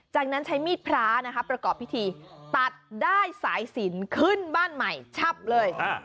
จากนั้นใช้มีดพระนะคะประกอบพิธีตัดด้ายสายสินขึ้นบ้านใหม่ชับเลย